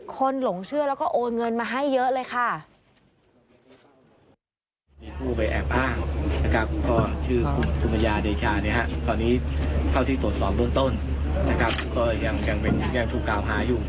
หลงเชื่อแล้วก็โอนเงินมาให้เยอะเลยค่ะ